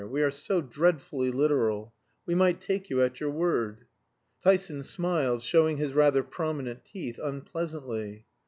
We are so dreadfully literal. We might take you at your word." Tyson smiled, showing his rather prominent teeth unpleasantly.